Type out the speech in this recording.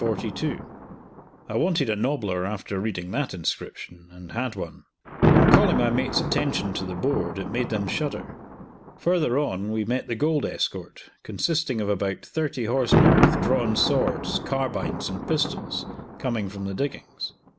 I wanted a nobbler after reading that inscription, and had one. On calling my mates' attention to the board, it made them shudder. Further on we met the gold escort, consisting of about thirty horsemen with drawn swords, carbines, and pistols, coming from the diggings.